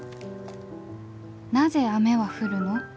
「なぜ雨は降るの？